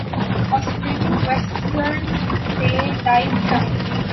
Australian western daylight time